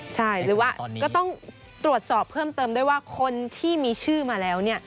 ใช่หรือว่าก็ต้องตรวจสอบเพิ่มเติมด้วยว่าคนที่มีชื่อมาแล้ว